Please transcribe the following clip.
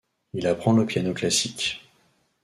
Il apprend le piano classique.